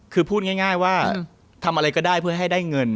คือพูดง่ายว่าทำอะไรก็ได้เพื่อให้ได้เงิน